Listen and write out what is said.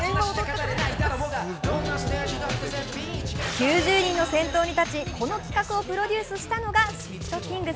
９０人の先頭に立ち、この企画をプロデュースしたのがｓ＊＊ｔｋｉｎｇｚ。